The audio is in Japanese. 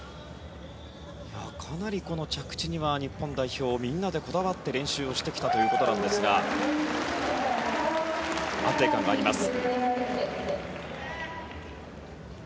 かなり着地には日本代表みんなでこだわって練習をしてきたということですが安定感があります。